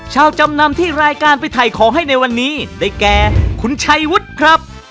จำนำที่รายการไปถ่ายของให้ในวันนี้ได้แก่คุณชัยวุฒิครับ